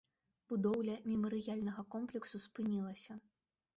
Будоўля мемарыяльнага комплексу спынілася.